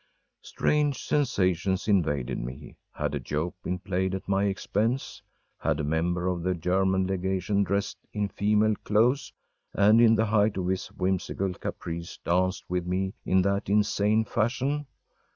Strange sensations invaded me. Had a joke been played at my expense? Had a member of the German legation dressed in female clothes, and in the height of his whimsical caprice danced with me in that insane fashion?